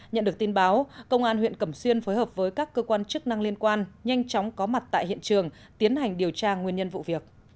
nhận được tin báo công an huyện cẩm xuyên phối hợp với các cơ quan chức năng liên quan nhanh chóng có mặt tại hiện trường tiến hành điều tra nguyên nhân vụ việc